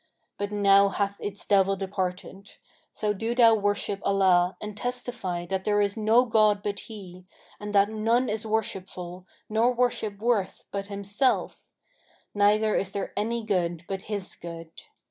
But now hath its devil departed; so do thou worship Allah and testify that there is no god but He and that none is worshipful nor worshipworth but Himself; neither is there any good but His good.